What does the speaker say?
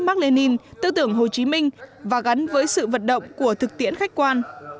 mark lenin tư tưởng hồ chí minh và gắn với sự vận động của thực tiễn khách quan